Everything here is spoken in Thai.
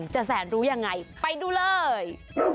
แสนรู้ยังไงไปดูเลย